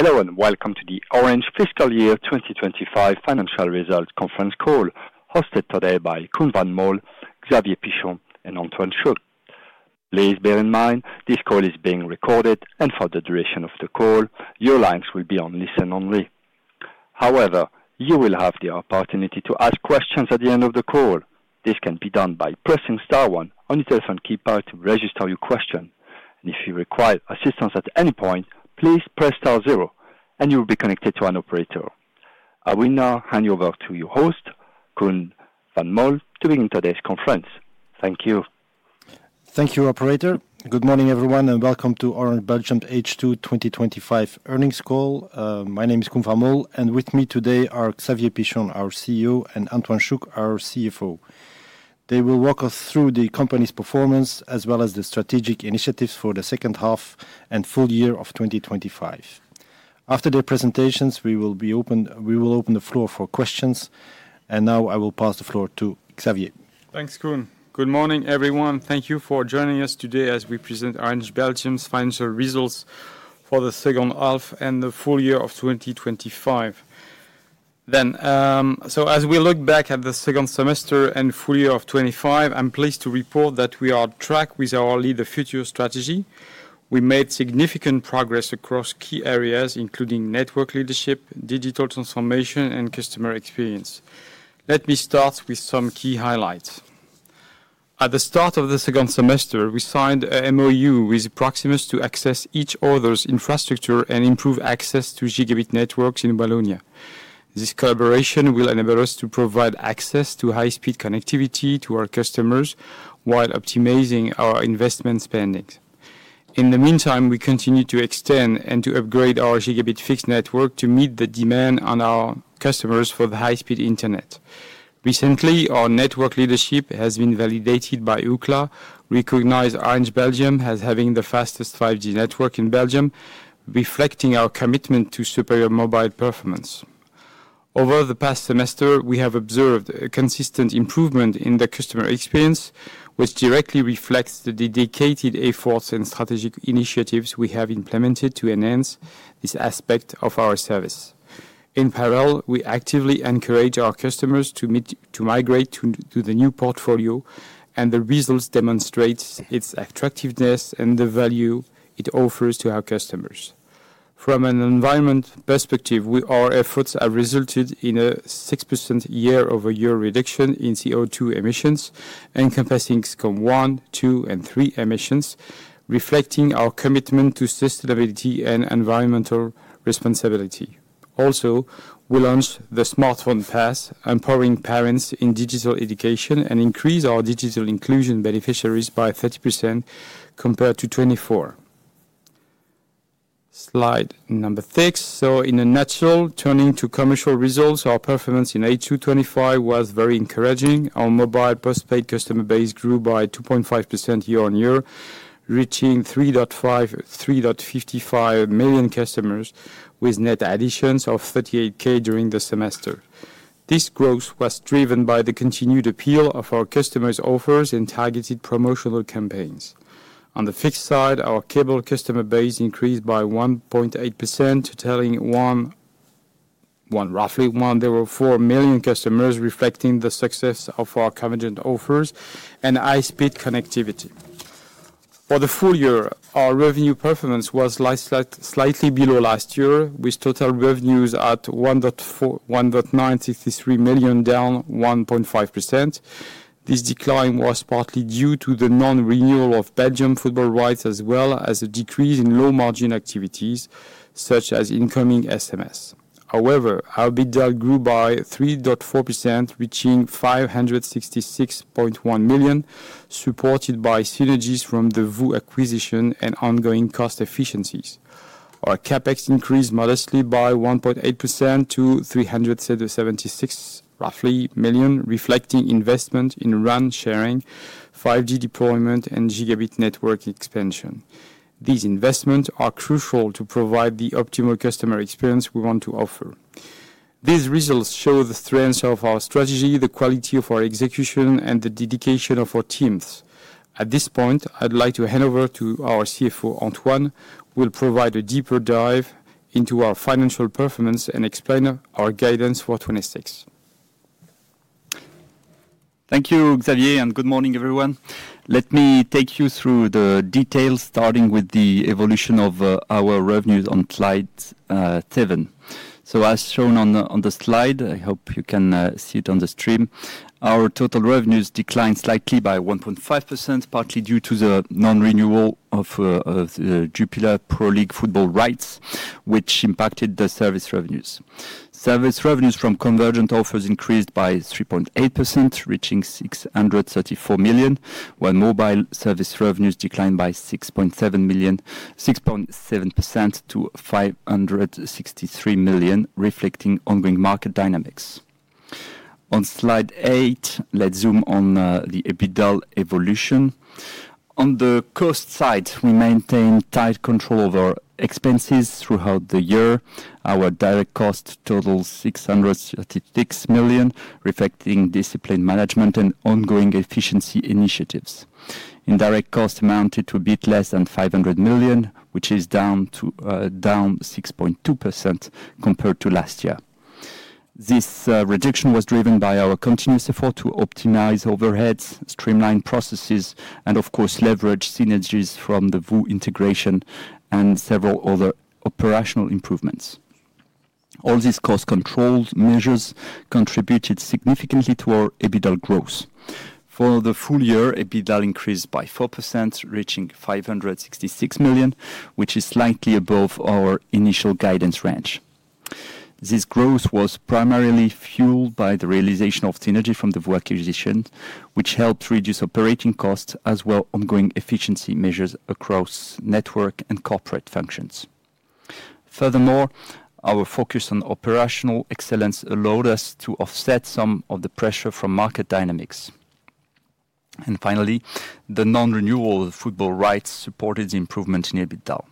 Hello, and welcome to the Orange Fiscal Year 2025 Financial Results Conference Call, hosted today by Koen Van Mol, Xavier Pichon and Antoine Chouc. Please bear in mind, this call is being recorded, and for the duration of the call, your lines will be on listen-only. However, you will have the opportunity to ask questions at the end of the call. This can be done by pressing star one on your telephone keypad to register your question. If you require assistance at any point, please press star zero and you'll be connected to an operator. I will now hand you over to your host, Koen Van Mol, to begin today's conference. Thank you. Thank you, operator. Good morning, everyone, and welcome to Orange Belgium H2 2025 earnings call. My name is Koen Van Mol, and with me today are Xavier Pichon, our CEO, and Antoine Chouc, our CFO. They will walk us through the company's performance as well as the strategic initiatives for the second half and full year of 2025. After their presentations, we will open the floor for questions. Now I will pass the floor to Xavier. Thanks, Koen. Good morning, everyone. Thank you for joining us today as we present Orange Belgium's financial results for the second half and the full year of 2025. Then, so as we look back at the second semester and full year of 2025, I'm pleased to report that we are on track with our Lead the Future strategy. We made significant progress across key areas, including network leadership, digital transformation, and customer experience. Let me start with some key highlights. At the start of the second semester, we signed a MoU with Proximus to access each other's infrastructure and improve access to gigabit networks in Wallonia. This collaboration will enable us to provide access to high-speed connectivity to our customers while optimizing our investment spendings. In the meantime, we continue to extend and to upgrade our gigabit fixed network to meet the demand on our customers for the high-speed internet. Recently, our network leadership has been validated by Ookla, recognizing Orange Belgium as having the fastest 5G network in Belgium, reflecting our commitment to superior mobile performance. Over the past semester, we have observed a consistent improvement in the customer experience, which directly reflects the dedicated efforts and strategic initiatives we have implemented to enhance this aspect of our service. In parallel, we actively encourage our customers to migrate to the new portfolio, and the results demonstrate its attractiveness and the value it offers to our customers. From an environmental perspective, our efforts have resulted in a 6% year-over-year reduction in CO2 emissions, encompassing Scope 1, 2, and 3 emissions, reflecting our commitment to sustainability and environmental responsibility. Also, we launched the Smartphone Pass, empowering parents in digital education and increase our digital inclusion beneficiaries by 30% compared to 2024. Slide 6. So in a nutshell, turning to commercial results, our performance in H2 2025 was very encouraging. Our mobile postpaid customer base grew by 2.5% year-on-year, reaching 3.55 million customers, with net additions of 38,000 during the semester. This growth was driven by the continued appeal of our customers' offers and targeted promotional campaigns. On the fixed side, our cable customer base increased by 1.8%, totaling roughly 1.4 million customers, reflecting the success of our convergent offers and high-speed connectivity. For the full year, our revenue performance was slightly below last year, with total revenues at 1,963 million, down 1.5%. This decline was partly due to the non-renewal of Belgium football rights, as well as a decrease in low-margin activities, such as incoming SMS. However, our EBITDA grew by 3.4%, reaching 566.1 million, supported by synergies from the VOO acquisition and ongoing cost efficiencies. Our CapEx increased modestly by 1.8% to roughly 377.6 million, reflecting investment in RAN sharing, 5G deployment, and gigabit network expansion. These investments are crucial to provide the optimal customer experience we want to offer. These results show the strength of our strategy, the quality of our execution, and the dedication of our teams. At this point, I'd like to hand over to our CFO, Antoine, who will provide a deeper dive into our financial performance and explain our guidance for 2026. Thank you, Xavier, and good morning, everyone. Let me take you through the details, starting with the evolution of our revenues on slide 7. So as shown on the slide, I hope you can see it on the stream. Our total revenues declined slightly by 1.5%, partly due to the non-renewal of the Jupiler Pro League football rights, which impacted the service revenues. Service revenues from convergent offers increased by 3.8%, reaching 634 million, while mobile service revenues declined by 6.7% to 563 million, reflecting ongoing market dynamics. On slide 8, let's zoom on the EBITDA evolution. On the cost side, we maintained tight control over expenses throughout the year. Our direct costs total 636 million, reflecting disciplined management and ongoing efficiency initiatives. Indirect costs amounted to a bit less than 500 million, which is down to, down 6.2% compared to last year. This reduction was driven by our continuous effort to optimize overheads, streamline processes, and of course, leverage synergies from the VOO integration and several other operational improvements. All these cost controls measures contributed significantly to our EBITDA growth. For the full year, EBITDA increased by 4%, reaching 566 million, which is slightly above our initial guidance range. This growth was primarily fueled by the realization of synergy from the VOO acquisition, which helped reduce operating costs, as well ongoing efficiency measures across network and corporate functions. Furthermore, our focus on operational excellence allowed us to offset some of the pressure from market dynamics. Finally, the non-renewal of the football rights supported the improvement in EBITDA.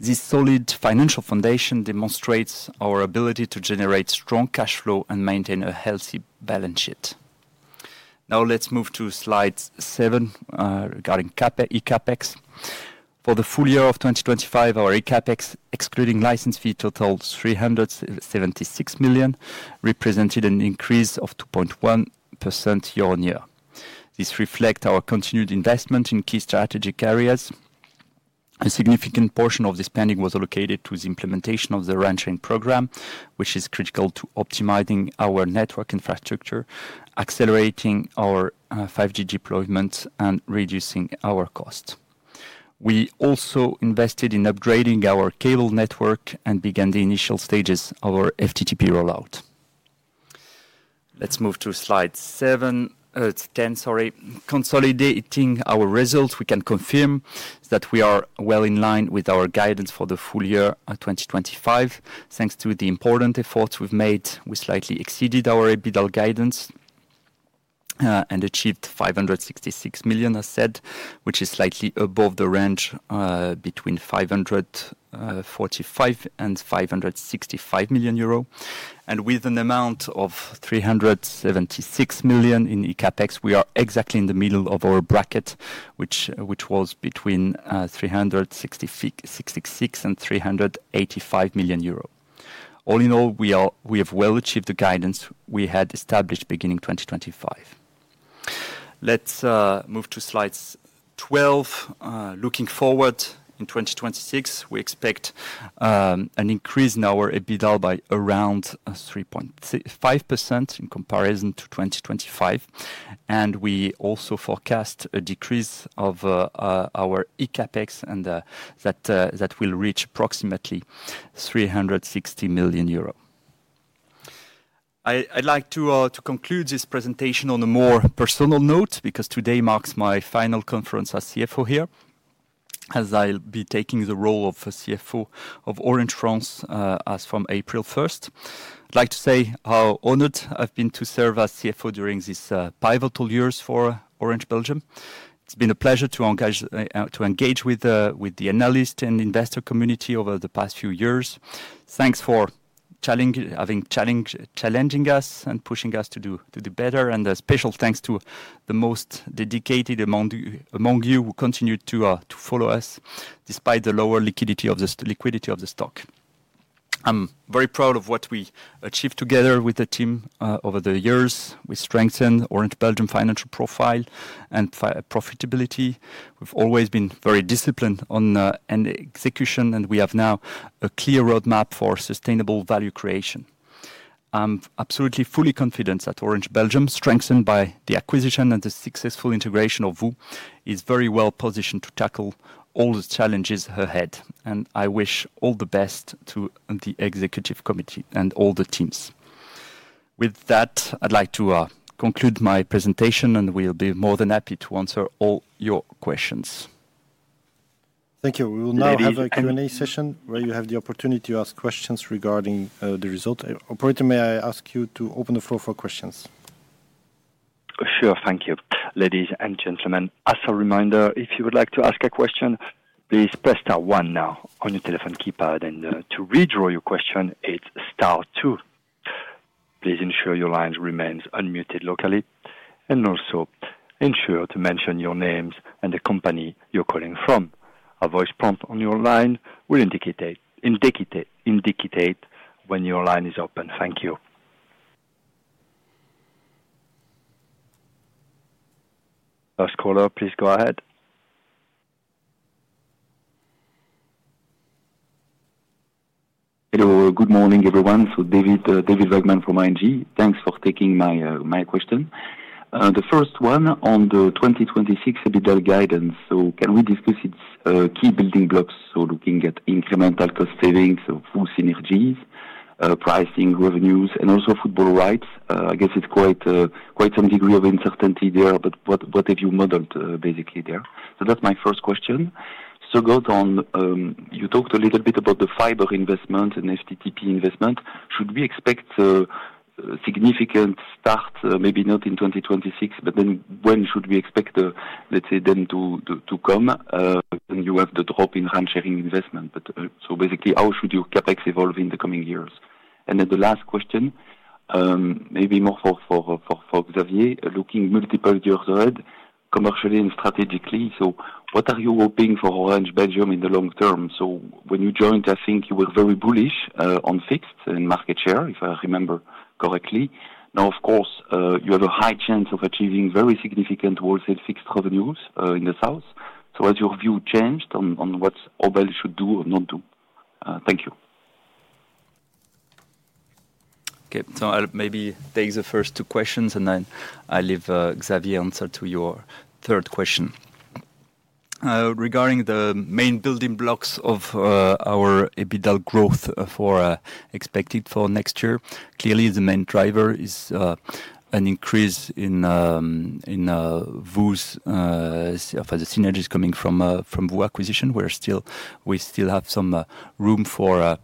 This solid financial foundation demonstrates our ability to generate strong cash flow and maintain a healthy balance sheet. Now, let's move to slide seven, regarding CapEx, eCAPEX. For the full year of 2025, our eCAPEX, excluding license fee, totaled 376 million, represented an increase of 2.1% year-on-year. This reflect our continued investment in key strategic areas. A significant portion of this spending was allocated to the implementation of the RAN-sharing program, which is critical to optimizing our network infrastructure, accelerating our 5G deployment, and reducing our cost. We also invested in upgrading our cable network and began the initial stages of our FTTP rollout. Let's move to slide seven, ten, sorry. Consolidating our results, we can confirm that we are well in line with our guidance for the full year of 2025. Thanks to the important efforts we've made, we slightly exceeded our EBITDA guidance, and achieved 566 million, as said, which is slightly above the range between 545 million and 565 million euro. And with an amount of 376 million in ECAPEX, we are exactly in the middle of our bracket, which, which was between 366 million and 385 million euro. All in all, we are—we have well achieved the guidance we had established beginning 2025. Let's move to slide 12. Looking forward, in 2026, we expect an increase in our EBITDA by around 3.5% in comparison to 2025. We also forecast a decrease of our ECAPEX, and that will reach approximately 360 million euro. I'd like to conclude this presentation on a more personal note, because today marks my final conference as CFO here, as I'll be taking the role of CFO of Orange France as from April first. I'd like to say how honored I've been to serve as CFO during this pivotal years for Orange Belgium. It's been a pleasure to engage with the analyst and investor community over the past few years. Thanks for challenging us and pushing us to do better. And a special thanks to the most dedicated among you who continue to follow us despite the lower liquidity of the stock. I'm very proud of what we achieved together with the team over the years. We strengthened Orange Belgium's financial profile and profitability. We've always been very disciplined on end execution, and we have now a clear roadmap for sustainable value creation. I'm absolutely fully confident that Orange Belgium, strengthened by the acquisition and the successful integration of VOO, is very well positioned to tackle all the challenges ahead, and I wish all the best to the executive committee and all the teams. With that, I'd like to conclude my presentation, and we'll be more than happy to answer all your questions. Thank you. We will now have a Q&A session where you have the opportunity to ask questions regarding the result. Operator, may I ask you to open the floor for questions? Sure. Thank you. Ladies and gentlemen, as a reminder, if you would like to ask a question, please press star one now on your telephone keypad, and, to redraw your question, hit star two. Please ensure your line remains unmuted locally, and also ensure to mention your names and the company you're calling from. A voice prompt on your line will indicate when your line is open. Thank you. First caller, please go ahead. Hello, good morning, everyone. So David, David Vagman from ING. Thanks for taking my question. The first one on the 2026 EBITDA guidance. So can we discuss its key building blocks? So looking at incremental cost savings, so full synergies, pricing, revenues, and also football rights. I guess it's quite some degree of uncertainty there, but what have you modeled basically there? So that's my first question. So go on, you talked a little bit about the fiber investment and FTTP investment. Should we expect a significant start, maybe not in 2026, but then when should we expect the, let's say, then to come when you have the drop in RAN-sharing investment? But, so basically, how should your CapEx evolve in the coming years? And then the last question, maybe more for Xavier. Looking multiple years ahead, commercially and strategically. So what are you hoping for Orange Belgium in the long term? So when you joined, I think you were very bullish on fixed and market share, if I remember correctly. Now, of course, you have a high chance of achieving very significant wholesale fixed revenues in the south. So has your view changed on what Obel should do or not do? Thank you. Okay. So I'll maybe take the first two questions, and then I'll leave Xavier answer to your third question. Regarding the main building blocks of our EBITDA growth expected for next year, clearly, the main driver is an increase in VOO's synergies coming from VOO acquisition. We still have some room for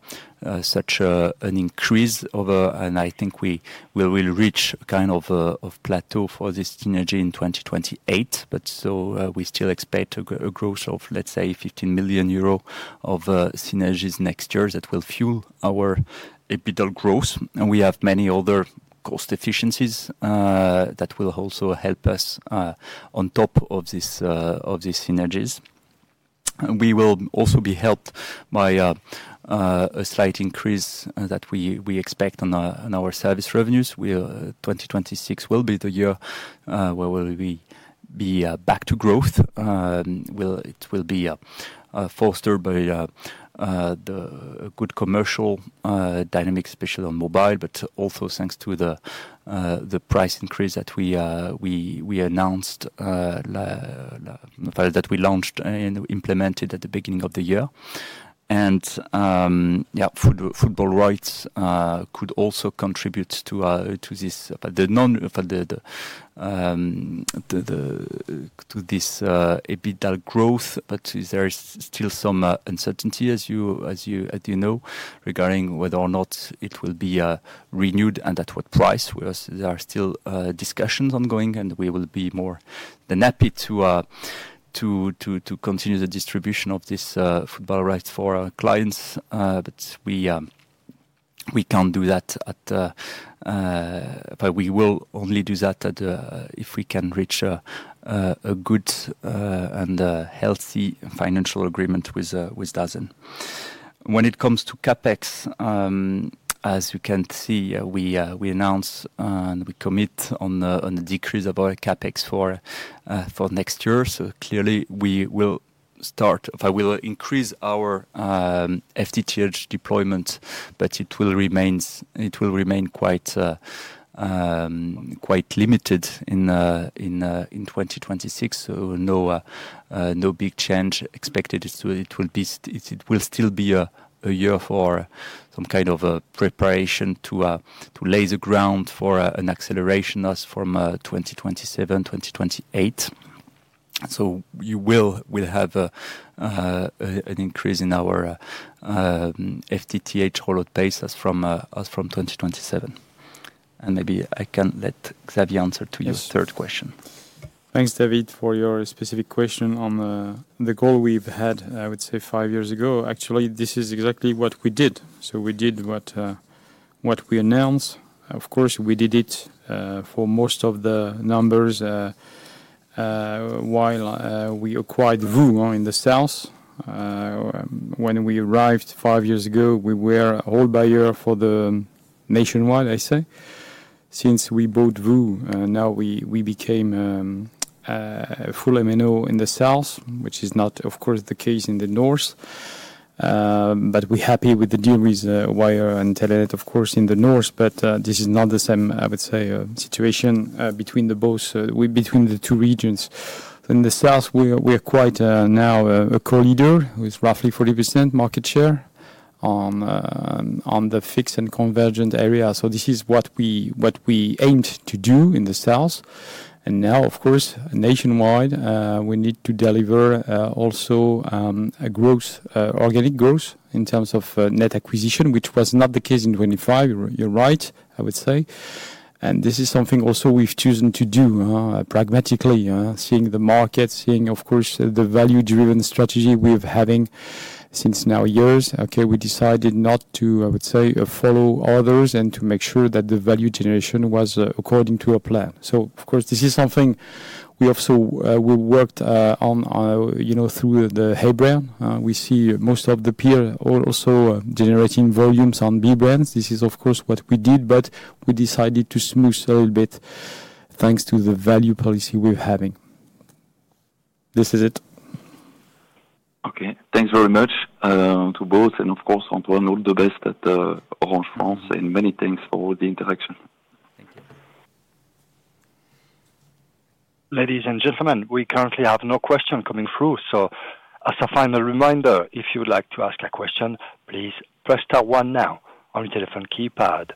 such an increase over, and I think we will reach kind of a plateau for this synergy in 2028. But so we still expect a growth of, let's say, 15 million euro of synergies next year that will fuel our EBITDA growth. And we have many other cost efficiencies that will also help us on top of these synergies. We will also be helped by a slight increase that we expect on our service revenues. 2026 will be the year where we will be back to growth. It will be fostered by the good commercial dynamic, especially on mobile, but also thanks to the price increase that we announced that we launched and implemented at the beginning of the year. And yeah, football rights could also contribute to this EBITDA growth. But there is still some uncertainty, as you know, regarding whether or not it will be renewed and at what price, because there are still discussions ongoing, and we will be more than happy to continue the distribution of this football rights for our clients. But we can't do that at, but we will only do that at if we can reach a good and healthy financial agreement with DAZN. When it comes to CapEx, as you can see, we announce, and we commit on the decrease of our CapEx for next year. So clearly, we will start if we will increase our FTTH deployment, but it will remain quite limited in 2026. So no big change expected. So it will still be a year for some kind of a preparation to lay the ground for an acceleration as from 2027, 2028. So we'll have an increase in our FTTH rollout pace as from 2027. And maybe I can let Xavier answer to your third question. Thanks, David, for your specific question on the goal we've had, I would say, five years ago. Actually, this is exactly what we did. So we did what we announced. Of course, we did it for most of the numbers while we acquired VOO in the south. When we arrived five years ago, we were a wholesale buyer for the nationwide, I say. Since we bought VOO, now we became full MNO in the south, which is not, of course, the case in the north. But we're happy with the deal with Wyre and Telenet, of course, in the north. But this is not the same, I would say, situation between the two regions. In the south, we're quite now a co-leader with roughly 40% market share on the fixed and convergent area. So this is what we aimed to do in the south. Now, of course, nationwide, we need to deliver also a growth, organic growth in terms of net acquisition, which was not the case in 2025. You're right, I would say. This is something also we've chosen to do pragmatically, seeing the market, seeing, of course, the value-driven strategy we've having since now years. Okay, we decided not to, I would say, follow others and to make sure that the value generation was according to our plan. So of course, this is something we also worked on, you know, through the A-brand. We see most of the peer also generating volumes on B brands. This is, of course, what we did, but we decided to smooth a little bit, thanks to the value policy we're having. This is it. Okay. Thanks very much to both and of course, Antoine, all the best at Orange France, and many thanks for the interaction. Thank you. Ladies and gentlemen, we currently have no question coming through. As a final reminder, if you would like to ask a question, please press star one now on your telephone keypad.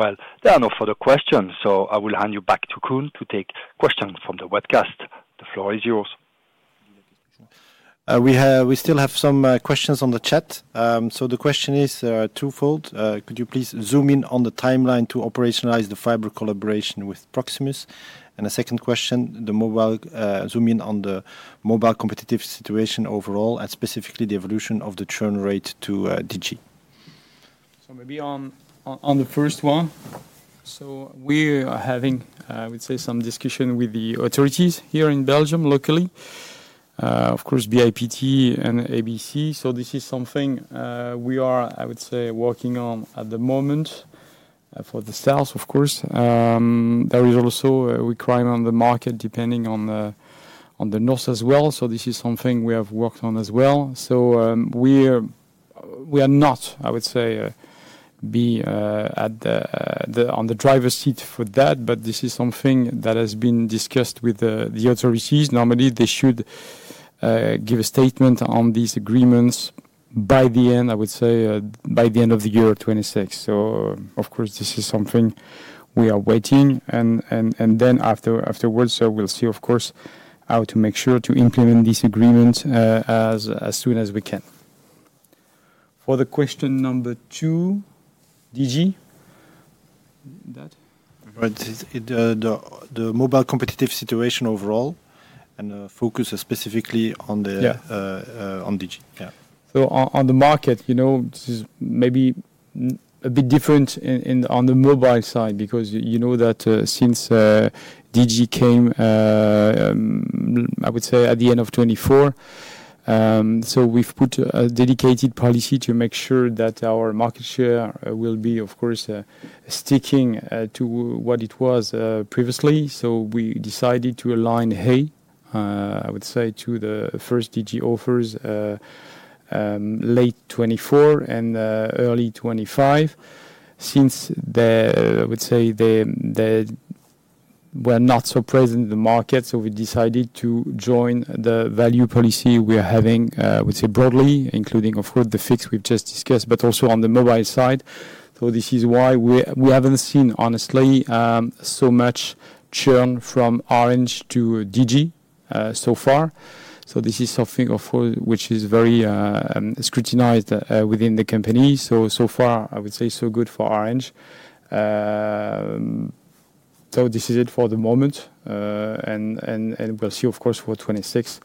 Well, there are no further questions, so I will hand you back to Koen to take questions from the webcast. The floor is yours. We still have some questions on the chat. So the question is twofold. Could you please zoom in on the timeline to operationalize the fiber collaboration with Proximus? And the second question, the mobile, zoom in on the mobile competitive situation overall, and specifically the evolution of the churn rate to Digi. So maybe on the first one, so we are having, I would say, some discussion with the authorities here in Belgium locally. Of course, BIPT and ABC. So this is something, we are, I would say, working on at the moment, for the sales, of course. There is also a requirement on the market, depending on the north as well, so this is something we have worked on as well. So, we're not, I would say, in the driver's seat for that, but this is something that has been discussed with the authorities. Normally, they should give a statement on these agreements by the end, I would say, by the end of the year, 2026. So of course, this is something we are waiting and then afterwards, so we'll see, of course, how to make sure to implement this agreement as soon as we can. For the question number two, Digi? That- Right. Is it the mobile competitive situation overall and focus specifically on the- Yeah On Digi. Yeah. So on the market, you know, this is maybe a bit different on the mobile side, because you know that, since Digi came, I would say at the end of 2024, so we've put a dedicated policy to make sure that our market share will be, of course, sticking to what it was previously. So we decided to align hey! I would say to the first Digi offers, late 2024 and early 2025. Since they, I would say, they were not so present in the market, so we decided to join the value policy we are having, I would say broadly, including, of course, the fixed we've just discussed, but also on the mobile side. So this is why we haven't seen, honestly, so much churn from Orange to Digi, so far. So this is something, of course, which is very scrutinized within the company. So, so far, I would say, so good for Orange. So this is it for the moment, and we'll see, of course, for 2026,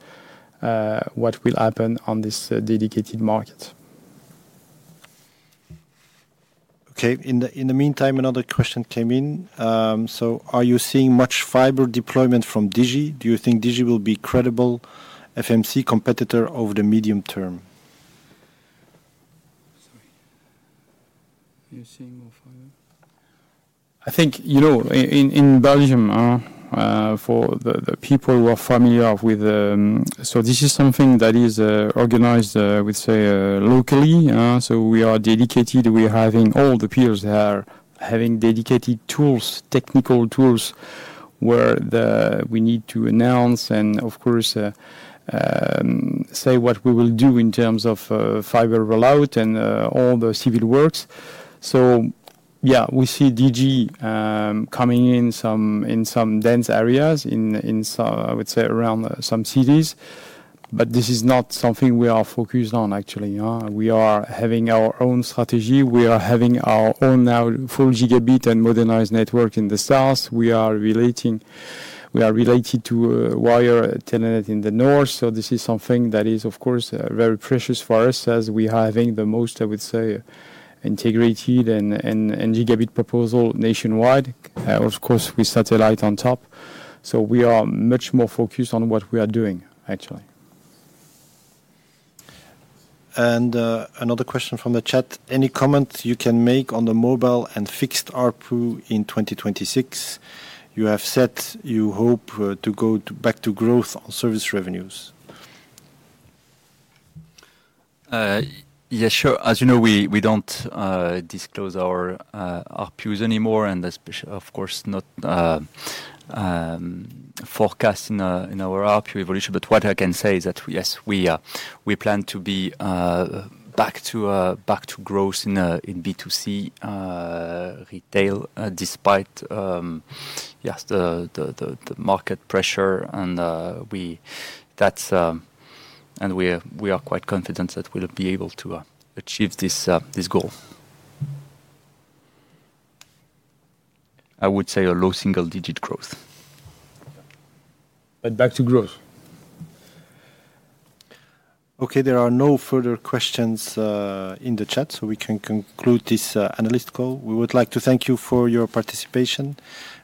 what will happen on this dedicated market. Okay. In the meantime, another question came in. So are you seeing much fiber deployment from Digi? Do you think Digi will be credible FMC competitor over the medium term? Sorry. Are you seeing more fiber? I think, you know, in Belgium, for the people who are familiar with... So this is something that is organized, I would say, locally, so we are dedicated. We are having all the peers that are having dedicated tools, technical tools, where we need to announce and, of course, say what we will do in terms of fiber rollout and all the civil works. So yeah, we see Digi coming in some dense areas, I would say, around some cities, but this is not something we are focused on actually. We are having our own strategy. We are having our own now full gigabit and modernized network in the south. We are relating, we are related to a Wyre Telenet in the north, so this is something that is, of course, very precious for us as we are having the most, I would say, integrated and gigabit proposal nationwide. Of course, with satellite on top. So we are much more focused on what we are doing, actually. Another question from the chat. Any comment you can make on the mobile and fixed ARPU in 2026? You have said you hope to go to back to growth on service revenues. Yeah, sure. As you know, we don't disclose our ARPUs anymore, and especially of course, not forecast in our ARPU evolution. But what I can say is that, yes, we plan to be back to growth in B2C retail, despite the market pressure and... That's... We are quite confident that we'll be able to achieve this goal. I would say a low single-digit growth. But back to growth. Okay, there are no further questions in the chat, so we can conclude this analyst call. We would like to thank you for your participation.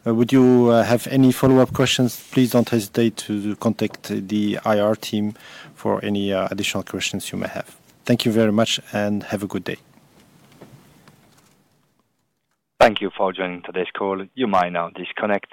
Would you have any follow-up questions, please don't hesitate to contact the IR team for any additional questions you may have. Thank you very much, and have a good day. Thank you for joining today's call. You may now disconnect.